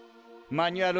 マニュアル。